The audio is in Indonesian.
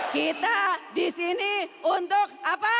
kita disini untuk apa